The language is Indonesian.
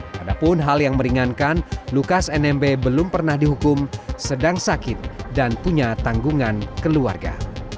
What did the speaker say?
padahal hal yang meringankan lukas nmb belum pernah dihukum sedang sakit dan punya tanggungan keluarga